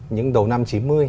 những đầu năm chín mươi